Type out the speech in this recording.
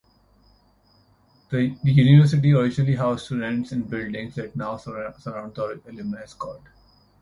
The University originally housed students in buildings that now surround the alumni quad.